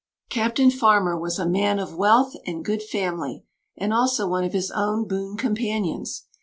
Captain Farmer was a man of wealth and good family, and also one of his own boon companions.